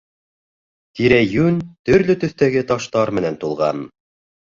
Тирә-йүн төрлө төҫтәге таштар менән тулған.